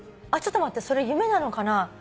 ちょっと待ってそれ夢なのかな。